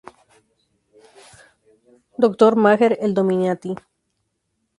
Dr. Maher El-Domiaty.